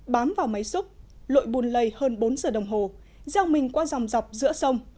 bám vào máy xúc lội bùn lầy hơn bốn giờ đồng hồ giao mình qua dòng dọc giữa sông